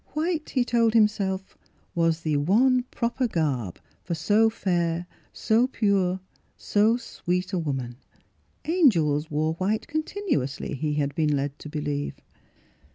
White, he told himself, was the one proper garb for so fair, so pure, so sweet a woman. Angels wore white continuously, he had been led to believe.